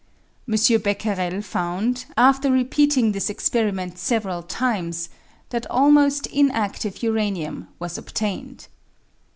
M. Becquerel found, after repeating this experiment several times, that almost inadve uranium was obtained.